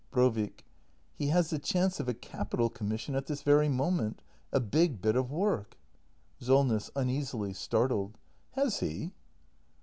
Brovik. He has the chance of a capital commission at this very moment. A bio; bit of work. » SOLNESS. [Uneasily, startled.] Has he?